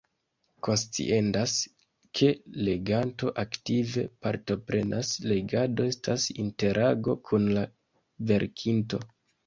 Konsciendas, ke leganto aktive partoprenas: legado estas interago kun la verkinto.